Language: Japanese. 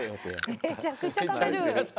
めちゃくちゃ食べる。